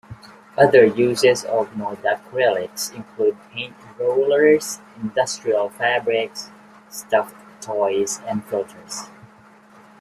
Other uses of modacrylics include paint rollers, industrial fabrics, stuffed toys and filters.